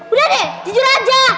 udah deh jujur aja